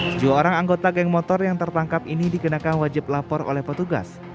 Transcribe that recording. sejumlah orang anggota geng motor yang tertangkap ini dikenakan wajib lapor oleh petugas